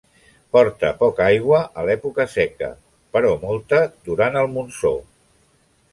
Porta poca aigua a l'època seca però molta durant el monsó.